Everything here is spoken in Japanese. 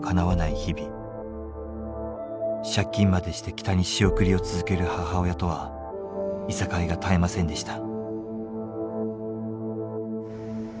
借金までして北に仕送りを続ける母親とはいさかいが絶えませんでした。